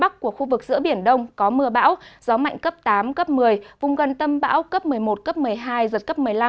bắc của khu vực giữa biển đông có mưa bão gió mạnh cấp tám cấp một mươi vùng gần tâm bão cấp một mươi một cấp một mươi hai giật cấp một mươi năm